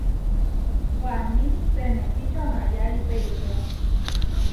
Waní senepí čonayái pedro.